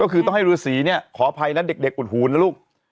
ก็คือต้องให้ฤษีเนี่ยขออภัยนะเด็กอุดหูนะลูก